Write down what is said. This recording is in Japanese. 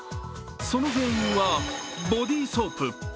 その原因はボディーソープ。